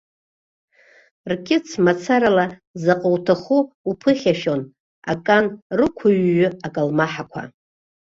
Ркьыц мацарала заҟа уҭаху уԥыхьашәон акан рықәыҩҩы акалмаҳақәа!